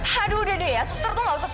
haduh udah deh ya suster tuh gak usah sok tau